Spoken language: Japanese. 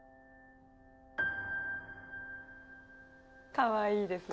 かわいいですね。